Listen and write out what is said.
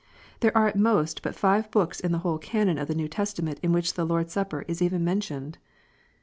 There are at most but five books in the whole canon of the New Testament in which the Lord s Supper is even mentioned.